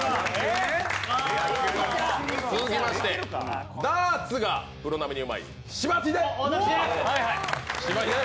続きまして、ダーツがプロ並みにうまいしばひで。